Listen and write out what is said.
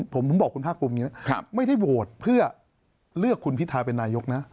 ผมบอกคุณห้าปุ่มไม่ได้โหวตเพื่อเลือกคุณพิทาเป็นนายกนะ